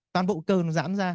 toàn bộ cơ nó giãn ra